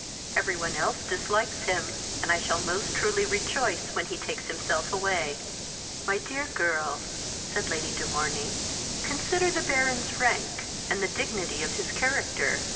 Every one else dislikes him, and I shall most truly rejoice when he takes himself away." "My dear girl, (said Lady de Morney,) consider the Baron's rank, and the dignity of his character."